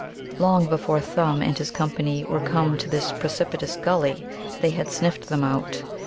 Long before Thumb and his company were come to their precipitous gully they had sniffed them out.